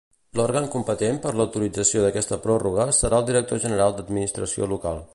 L'òrgan competent per l'autorització d'aquesta pròrroga serà el director general d'Administració Local.